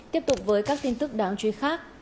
tiếp tục với các tin tức đáng chú ý khác